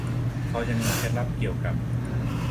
พอจะมีเคล็ดลับเกี่ยวกับ